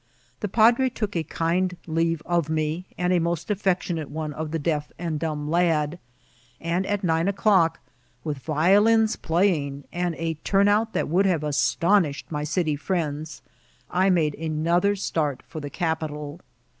The padre took a kind leave of me, and a most affectionate one of the deaf and dumb lad; and at nine o'clock, widi violins playing, and a turn out that would have astonished my city ftiends, I made ▲ ir AMBUSCADB. 179 attotheor start for the capitol.